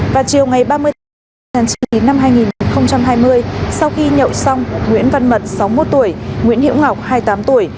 vào chiều ngày ba mươi tháng chín năm hai nghìn hai mươi sau khi nhậu xong nguyễn văn mận sáu mươi một tuổi nguyễn hiễu ngọc hai mươi tám tuổi